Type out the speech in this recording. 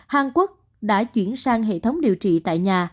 hàn quốc đã chuyển sang hệ thống điều trị tại nhà